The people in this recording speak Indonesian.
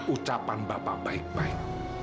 ucapan bapak baik baik